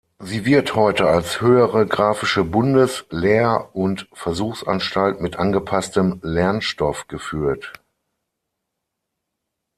Sie wird heute als Höhere Graphische Bundes- Lehr- und Versuchsanstalt mit angepasstem Lernstoff geführt.